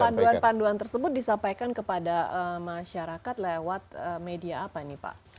panduan panduan tersebut disampaikan kepada masyarakat lewat media apa ini pak